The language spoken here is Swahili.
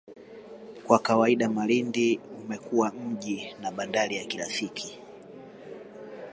Kwa kawaida Malindi umekuwa mji na bandari ya kirafiki